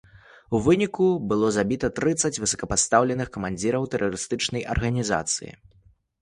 У выніку было забіта трыццаць высокапастаўленых камандзіраў тэрарыстычнай арганізацыі.